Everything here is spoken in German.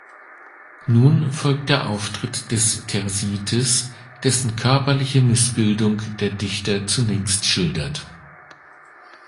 Nun folgt der Auftritt des Thersites, dessen körperliche Missbildung der Dichter zunächst schildert.